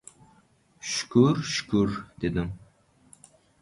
— Shukur, shukur, — dedim.